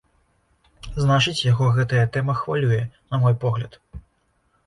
Значыць, яго гэтая тэма хвалюе, на мой погляд.